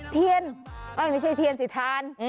เทียนไม่ใช่เทียนสิทาน